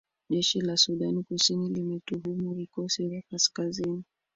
jeshi la sudan kusini limetuhumu vikosi vya kaskazini